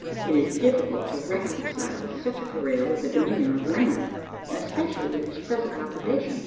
It is difficult to reconcile such a career with the demeanour of the man, and especially with his present occupation.